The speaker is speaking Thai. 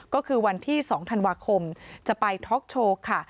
ก็คือวันที่๒ธันวาคมจะไปท็อกโชว์ค่ะ